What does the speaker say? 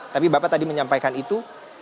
tapi bapak tadi menyampaikan itu